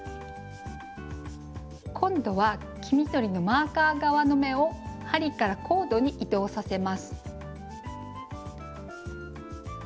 今度は黄緑のマーカー側の目を針からコードに移動させます。